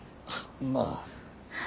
まあ。